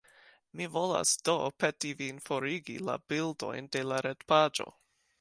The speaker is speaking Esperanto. Mi volas do peti vin forigi la bildojn de la retpaĝo.